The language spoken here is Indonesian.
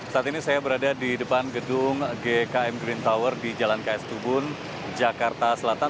saat ini saya berada di depan gedung gkm green tower di jalan ks tubun jakarta selatan